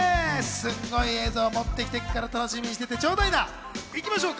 すごい映像もってきてるから、楽しみにしてちょうだい。